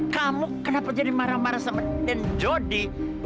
kamu kenapa jadi marah marah sama dan jody